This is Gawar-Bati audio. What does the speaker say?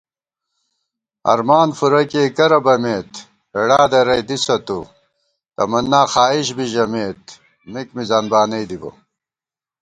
ہرمان فُورہ کېئ کرہ بَمېت ہېڑا درَئی دِسہ تُو * تمنّاں خائیش بِی ژَمېک مِک مِزان بانَئی دِبہ